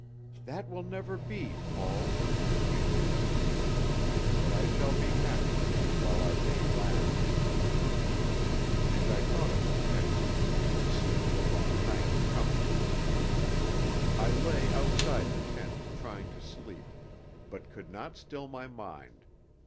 "That will never be, Paul," she answered simply. "But I shall be happy with you while our day lasts." And I thought of the text: "For soon the long night cometh." I lay outside the tent, trying to sleep; but could not still my mind.